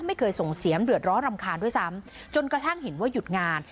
ไม่เคยส่งเสียงเดือดร้อนรำคาญด้วยซ้ำจนกระทั่งเห็นว่าหยุดงาน